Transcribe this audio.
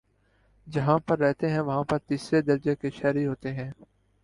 جہاں پر رہتے ہیں وہاں پر تیسرے درجے کے شہری ہوتے ہیں